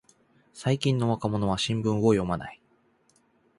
最近の若者は新聞を読まない